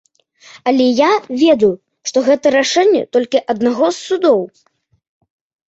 Але я ведаю, што гэта рашэнне толькі аднаго з судоў.